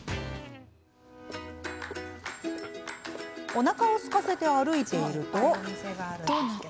おなかをすかせて歩いていると。